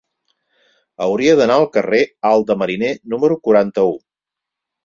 Hauria d'anar al carrer Alt de Mariner número quaranta-u.